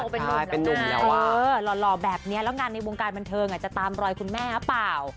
ต้องโตเป็นหนุ่มแล้วค่ะเออหล่อแบบนี้แล้วงานในวงการบันเทิงจะตามรอยคุณแม่หรือเปล่า